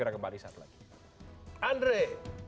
kembali sehabis ini andre